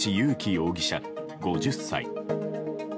容疑者、５０歳。